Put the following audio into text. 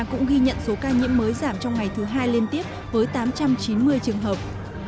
cũng ghi nhận số ca nhiễm mới giảm trong ngày thứ hai liên tiếp với tám trăm chín mươi trường hợp